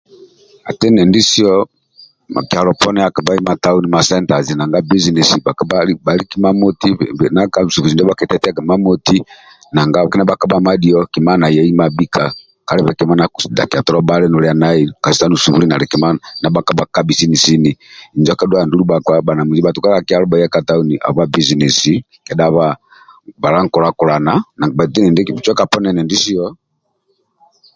Ati endindisio kyalo poni akabhai ma tauni ma sentazi nanga bizinesi bhakpa bhaliki imamoti busubuzi ndiabho akitetiaga imamoti nanga kindia bhakpa bhamadio kima ana yai mabhika kalibe kima ndia akidhakia tolo bhali nolia nai kasita nosubuli nali kima ndia bhabhakabhi sini sini injo akidhuaga ndulu bhakpa bhanamunji bhatuka ka kyalo bhaya ka tauni habwa bizinesi kedha habwa bala nkula-kulana bhatu endi endisio